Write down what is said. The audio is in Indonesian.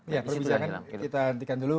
ya perbincangan kita hentikan dulu